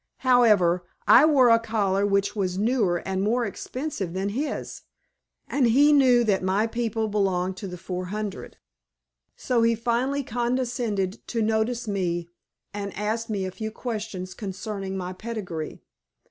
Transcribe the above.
However, I wore a collar which was newer and more expensive than his, and he knew that my people belonged to the "four hundred," so he finally condescended to notice me and asked me a few questions concerning my pedigree.